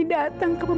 mas prabu yang dengar